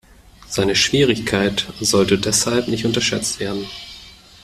Seine Schwierigkeit sollte deshalb nicht unterschätzt werden.